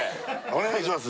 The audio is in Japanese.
お願いします